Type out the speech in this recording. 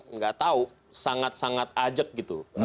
nggak tahu sangat sangat ajak gitu